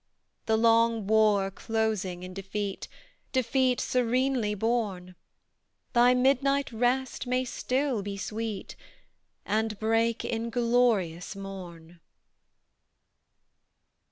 "The long war closing in defeat Defeat serenely borne, Thy midnight rest may still be sweet, And break in glorious morn!"